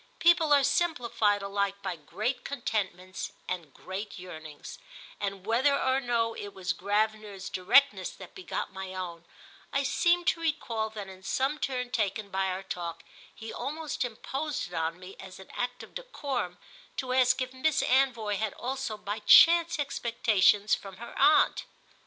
People are simplified alike by great contentments and great yearnings, and, whether or no it was Gravener's directness that begot my own, I seem to recall that in some turn taken by our talk he almost imposed it on me as an act of decorum to ask if Miss Anvoy had also by chance expectations from her aunt.